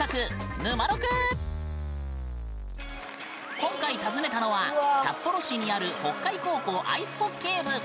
今回、訪ねたのは札幌市にある北海高校アイスホッケー部。